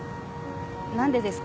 何でですか？